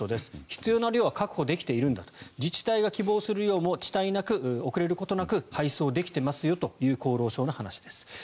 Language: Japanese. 必要な量は確保できているんだと自治体が希望する量を遅滞なく、遅れることなく配送できていますよという厚労省の話です。